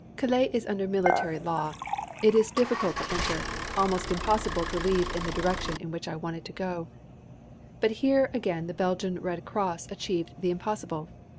Calais is under military law. It is difficult to enter, almost impossible to leave in the direction in which I wished to go. But here again the Belgian Red Cross achieved the impossible.